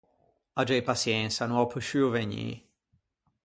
Aggei paçiensa, no ò posciuo vegnî.